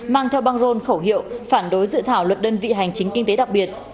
mang theo băng rôn khẩu hiệu phản đối dự thảo luật đơn vị hành chính kinh tế đặc biệt